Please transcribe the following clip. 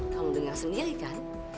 kamu dengar sendiri kan